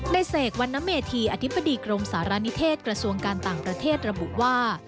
เสกวันนเมธีอธิบดีกรมสารณิเทศกระทรวงการต่างประเทศระบุว่า